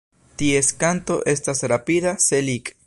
Ties kanto estas rapida "se-lik".